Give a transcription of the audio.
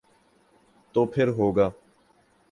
تو پھر ہو گا۔